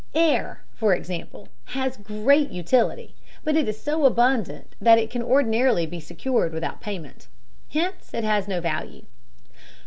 Air, for example, has great utility, but it is so abundant that it can ordinarily be secured without payment. Hence it has no value.